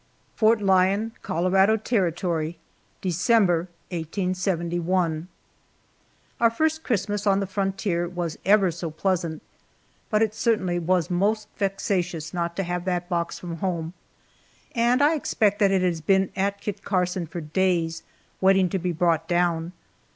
FORT LYON, COLORADO TERRITORY, December, 1871. OUR first Christmas on the frontier was ever so pleasant, but it certainly was most vexatious not to have that box from home. And I expect that it has been at Kit Carson for days, waiting to be brought down.